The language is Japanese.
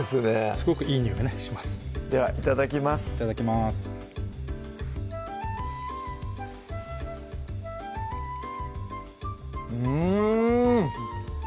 すごくいいにおいがねしますではいただきますいただきますうん！